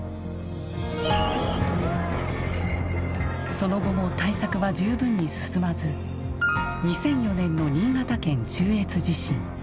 その後も対策は十分に進まず２００４年の新潟県中越地震